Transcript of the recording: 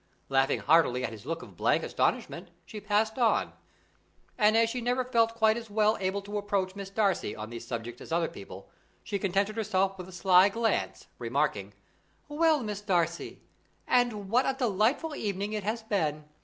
Laughing heartily at his look of blank astonishment, she passed on, and as she never felt quite as well able to approach Miss Darcy on these subjects as other people, she contented herself with a sly glance, remarking: "Well, Miss Darcy, and what a delightful evening it has been!